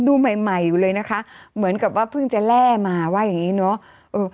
ดูใหม่ใหม่อยู่เลยนะคะเหมือนกับว่าเพิ่งจะแร่มาว่าอย่างนี้เนอะ